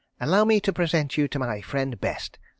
Allow me to present you to my friend Best.